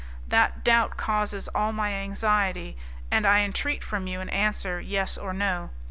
That doubt causes all my anxiety, and I entreat from you an answer, yes or no.